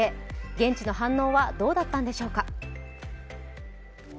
現地の反応はどうだったんでしょうか？